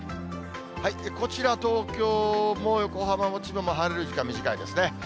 こちら、東京も横浜も千葉も晴れる時間、短いですね。